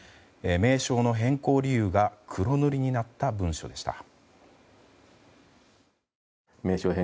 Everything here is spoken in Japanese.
名称の変更理由が黒塗りになった文書でした。